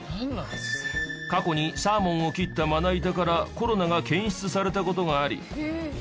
過去にサーモンを切ったまな板からコロナが検出された事があり